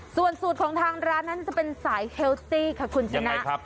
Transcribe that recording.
ส่วนสูตรของทางร้านนั้นจะเป็นสายเฮลซี่ค่ะคุณชนะ